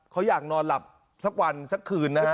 เขาอยากนอนหลับสักวันสักคืนนะฮะ